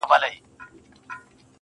گلي